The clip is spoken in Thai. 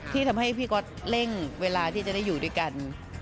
ที่ทำให้พี่ก๊อตเร่งเวลาที่จะได้อยู่ด้วยกัน